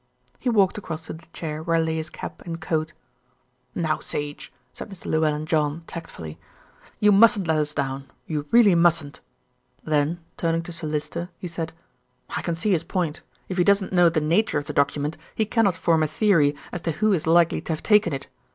He walked across to the chair where lay his cap and coat. "Now, Sage," said Mr. Llewellyn John tactfully, "you mustn't let us down, you really mustn't." Then turning to Sir Lyster, he said, "I can see his point. If he doesn't know the nature of the document, he cannot form a theory as to who is likely to have taken it.